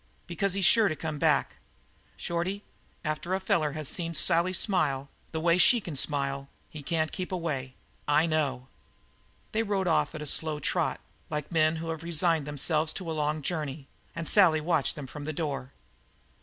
"Because he's sure to come back. Shorty, after a feller has seen Sally smile the way she can smile he couldn't keep away. I know!" They rode off at a slow trot, like men who have resigned themselves to a long journey, and Sally watched them from the door.